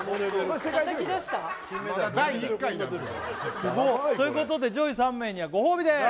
まだ第１回やすごっということで上位３名にはご褒美です